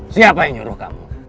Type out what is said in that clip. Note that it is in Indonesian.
siapa yang nyuruh kamu